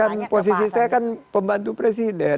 tapi saya kan posisi saya kan pembantu presiden